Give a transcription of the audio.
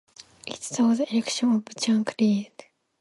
It saw the election of Chuck Reed.